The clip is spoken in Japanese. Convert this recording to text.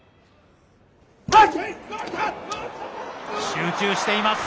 集中しています。